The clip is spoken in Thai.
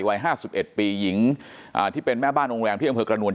วัยห้าสิบเอ็ดปีหญิงอ่าที่เป็นแม่บ้านโรงแรมที่อำเภอกระนวล